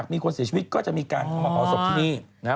พ่ออุ๊ยเขาก็บอกว่า